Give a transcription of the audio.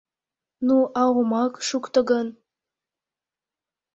— Ну, а омак шукто гын?